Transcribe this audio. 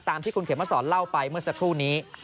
ที่คุณเขมสอนเล่าไปเมื่อสักครู่นี้